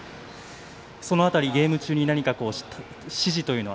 その辺りゲーム中に指示というのは